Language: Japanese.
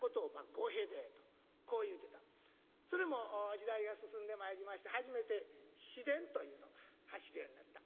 それも時代が進んでまいりまして初めて市電というのが走るようになった。